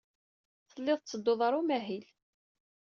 Tellid tetteddud ɣer umahil.